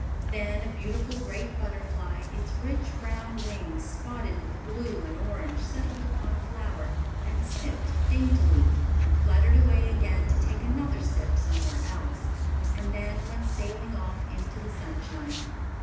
Then a beautiful great butterfly, its rich brown wings spotted with blue and orange, settled upon a flower, and sipped daintily, and fluttered away again to take another sip somewhere else, and then went sailing off into the sunshine.